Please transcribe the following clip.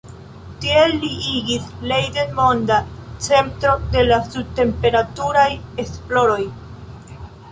Tiel li igis Leiden monda centro de la sub-temperaturaj esploroj.